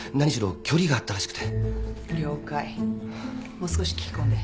もう少し聞き込んで。